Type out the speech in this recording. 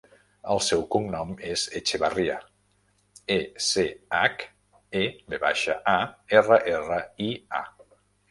El seu cognom és Echevarria: e, ce, hac, e, ve baixa, a, erra, erra, i, a.